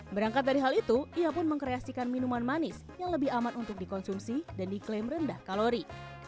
berangkat dari hal itu ia pun mengkreasikan minuman manis yang lebih aman untuk dikonsumsi dan diklaim rendah kalori